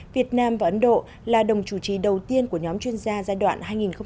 việt nam và ấn độ là đồng chủ trí đầu tiên của nhóm chuyên gia giai đoạn hai nghìn một mươi bốn hai nghìn một mươi bảy